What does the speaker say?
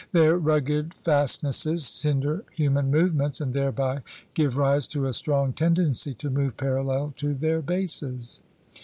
Their rugged fast nesses hinder human movements and thereby give rise to a strong tendency to move parallel to their bases.